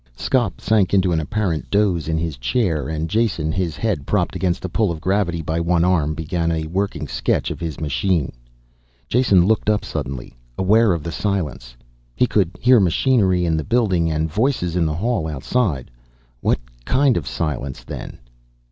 Skop sank into an apparent doze in his chair and Jason, his head propped against the pull of gravity by one arm, began a working sketch of his machine. Jason looked up suddenly, aware of the silence. He could hear machinery in the building and voices in the hall outside. What kind of silence then